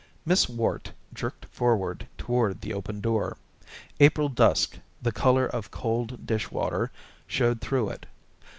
Miss Worte jerked forward toward the open door. April dusk, the color of cold dish water, showed through it.